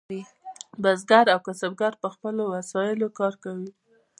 بزګر او کسبګر په خپلو وسایلو کار کوي.